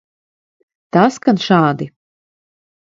Tā skan šādi.